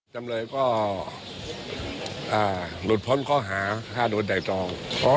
จำเลยก็หลุดพ้นเขาหา๕โดนแต่ตรอง